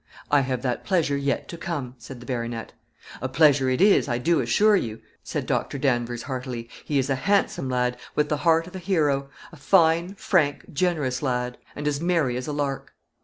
"I have that pleasure yet to come," said the baronet. "A pleasure it is, I do assure you," said Doctor Danvers, heartily. "He is a handsome lad, with the heart of a hero a fine, frank, generous lad, and as merry as a lark."